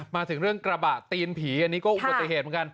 มาถึงเรื่องกระบะตีนผีอันนี้ก็อุบัติเหตุเหมือนกัน